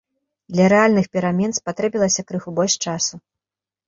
Для рэальных перамен спатрэбілася крыху больш часу.